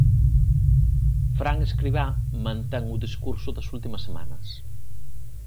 Fran Escribá mantén o discurso das últimas semanas.